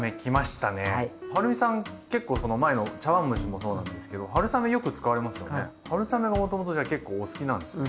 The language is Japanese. はるみさん結構その前の茶わん蒸しもそうなんですけど春雨がもともとじゃあ結構お好きなんですね？